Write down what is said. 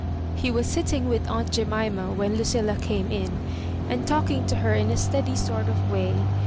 He was sitting with aunt Jemima when Lu cilla came in, and talking to her in a steady sort of way.